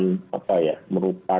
dalam tanda kutip